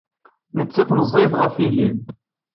Nettat meẓẓiyet ɣef yelli-m!